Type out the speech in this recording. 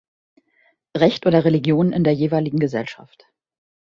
Recht oder Religion in der jeweiligen Gesellschaft.